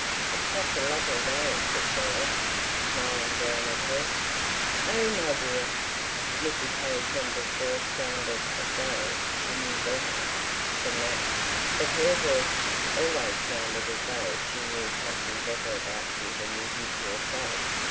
"It's such a lovely day," said Beryl, smiling down at her. "Oh my dear!" Mrs. Harry Kember's voice sounded as though she knew better than that. But then her voice always sounded as though she knew something better about you than you did yourself.